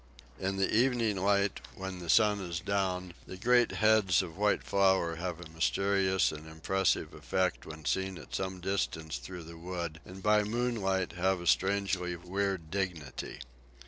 In the evening light, when the sun is down, the great heads of white flower have a mysterious and impressive effect when seen at some distance through the wood, and by moonlight have a strangely weird dignity.